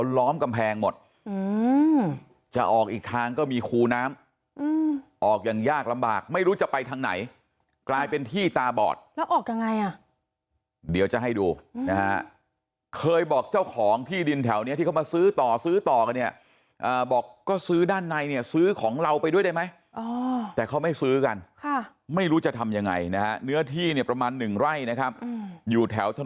ล้อมกำแพงหมดจะออกอีกทางก็มีคูน้ำออกอย่างยากลำบากไม่รู้จะไปทางไหนกลายเป็นที่ตาบอดแล้วออกยังไงอ่ะเดี๋ยวจะให้ดูนะฮะเคยบอกเจ้าของที่ดินแถวเนี้ยที่เขามาซื้อต่อซื้อต่อกันเนี่ยบอกก็ซื้อด้านในเนี่ยซื้อของเราไปด้วยได้ไหมแต่เขาไม่ซื้อกันค่ะไม่รู้จะทำยังไงนะฮะเนื้อที่เนี่ยประมาณหนึ่งไร่นะครับอยู่แถวถนน